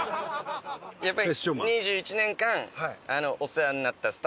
やっぱり。